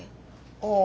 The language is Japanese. ああ